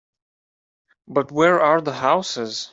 But where are the houses?